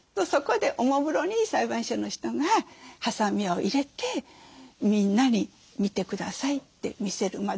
そこでおもむろに裁判所の人がはさみを入れてみんなに見て下さいって見せる。